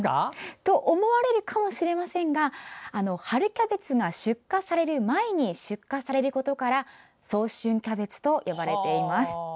そう思われるかもしれませんが春キャベツが出荷される前に出荷されることから早春キャベツと呼ばれています。